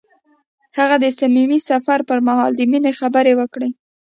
هغه د صمیمي سفر پر مهال د مینې خبرې وکړې.